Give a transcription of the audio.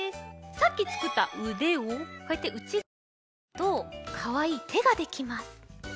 さっきつくったうでをこうやってうちがわにおるとかわいいてができます。